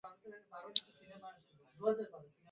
আমাকে তো বলেছিল, সে প্রথম কাজ দুই হাজার টাকায় করেছিল।